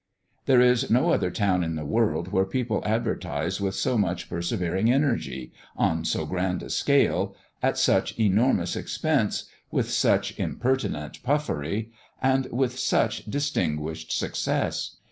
There is no other town in the world where people advertise with so much persevering energy on so grand a scale at such enormous expense with such impertinent puffery and with such distinguished success.